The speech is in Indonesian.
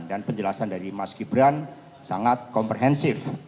dan penjelasan dari mas gibran sangat komprehensif